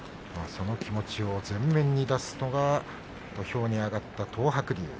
その気持ちを前面に出すのが土俵に上がった東白龍。